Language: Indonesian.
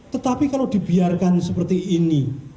tetapi kalau dibiarkan seperti ini